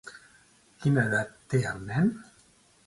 Quina edat té el nen?